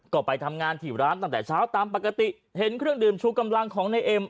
ก็ไปทำงานที่ร้านตั้งแต่เช้าตามปกติเห็นเครื่องดื่มชูกำลังของนายเอ็ม